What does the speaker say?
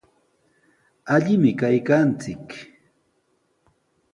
Allimi kaykanchik.